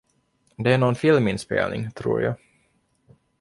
Det är någon filminspelning, tror jag.